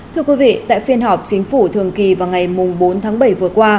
thưa quý vị tại phiên họp chính phủ thường kỳ vào ngày bốn tháng bảy vừa qua